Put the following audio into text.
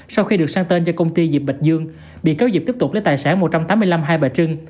sau khi được sang tên cho công ty dịch bạch dương bị cáo diệp tiếp tục lấy tài sản một trăm tám mươi năm hai bà trưng